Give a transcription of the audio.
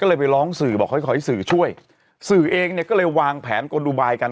ก็เลยไปร้องสื่อบอกให้ขอให้สื่อช่วยสื่อเองเนี่ยก็เลยวางแผนกลอุบายกัน